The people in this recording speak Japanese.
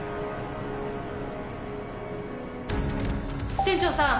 ・支店長さん